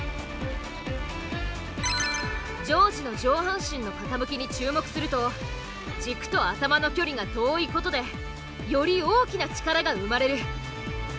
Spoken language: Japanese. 丈司の上半身の傾きに注目すると軸と頭の距離が遠いことでより大きな力が生まれる。